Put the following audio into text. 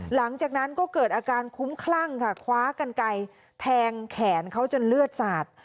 หลังจากนั้นก็เกิดอาการคุ้มคลั่งค่ะคว้ากันไกลแทงแขนเขาจนเลือดสาด